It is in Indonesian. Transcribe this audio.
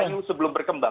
layu sebelum berkembang